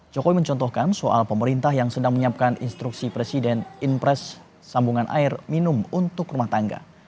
jokowi mencontohkan soal pemerintah yang sedang menyiapkan instruksi presiden impres sambungan air minum untuk rumah tangga